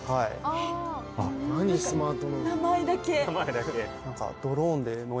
名前だけ。